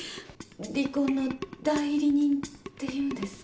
離婚の代理人っていうんですか？